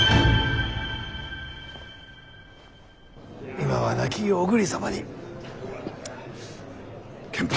今は亡き小栗様に献杯。